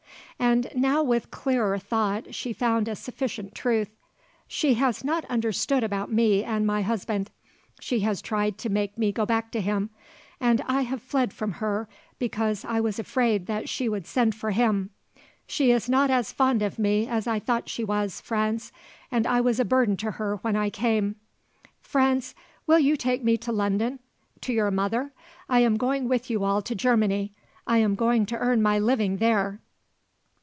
And now with clearer thought she found a sufficient truth. "She has not understood about me and my husband. She has tried to make me go back to him; and I have fled from her because I was afraid that she would send for him. She is not as fond of me as I thought she was, Franz, and I was a burden to her when I came. Franz, will you take me to London, to your mother? I am going with you all to Germany. I am going to earn my living there."